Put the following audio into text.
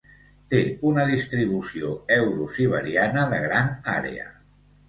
Té una distribució eurosiberiana de gran àrea.